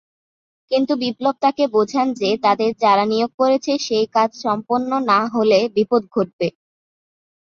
কিন্তু বিপ্লব তাকে বোঝান যে তাদের যারা নিয়োগ করেছে সেই কাজ সম্পন্ন না হলে বিপদ ঘটবে।